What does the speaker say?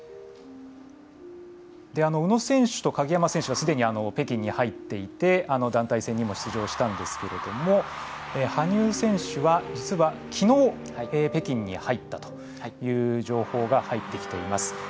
宇野選手と鍵山選手はすでに北京に入っていて団体戦にも出場したんですけども羽生選手は実はきのう北京に入ったという情報が入ってきています。